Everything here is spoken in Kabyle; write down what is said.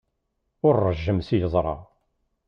Ur ṛejjem s yeẓra.